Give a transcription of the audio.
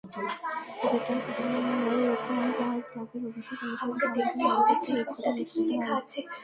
Greater Chittagong Rotaract ক্লাবের অভিষেক অনুষ্ঠান সম্প্রতি নগরের একটি রেস্তোরাঁয় অনুষ্ঠিত হয়।